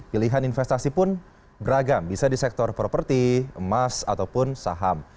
pilihan investasi pun beragam bisa di sektor properti emas ataupun saham